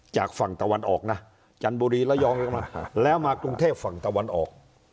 จากฝั่งตะวันออกนะจันบุรีระยองแล้วมากรุงเทพฝั่งตะวันออก